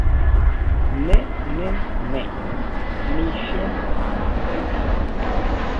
Ne, ne, ne. Mi ŝercas pri tio.